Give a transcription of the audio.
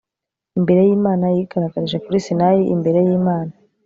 imbere y'imana yigaragarije kuri sinayi, imbere y'imana